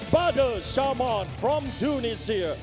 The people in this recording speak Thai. บาเดิร์ศชาวมอนสร้างจุนีเซีย